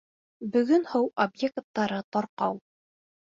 Бөгөн һыу объекттары тарҡау.